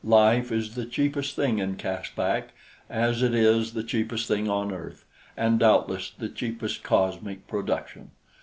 Life is the cheapest thing in Caspak, as it is the cheapest thing on earth and, doubtless, the cheapest cosmic production.